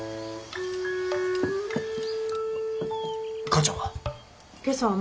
母ちゃんは？